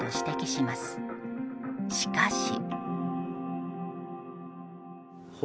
しかし。